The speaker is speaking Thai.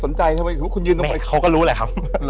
แล้วอีกคนหนึ่งคือ